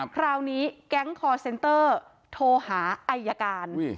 คราวนี้แก๊งคอร์เซ็นเตอร์โทรหาไอยการ